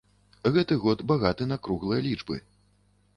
Гэты год багаты на круглыя лічбы.